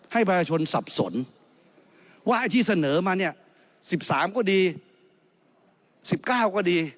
ให้ประชนสับสนว่าที่เสนอมา๑๓ก็ดี๑๙ก็ดี